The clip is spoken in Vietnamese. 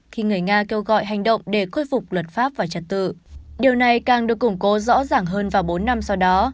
khi người nga kêu gọi hành động để khôi phục luật pháp và trật tự điều này càng được củng cố rõ ràng hơn vào bốn năm sau đó